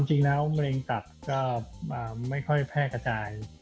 จริงแล้วมะเร็งตับก็ไม่ค่อยแพร่กระจาย